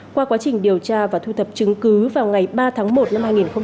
qua quá trình điều tra và thu thập chứng cứ vào ngày ba tháng một năm hai nghìn hai mươi